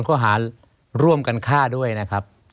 หรือว่าแม่ของสมเกียรติศรีจันทร์